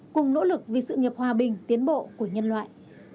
cùng nỗ lực vì sự nghiệp hòa bình tiến bộ của nhân loại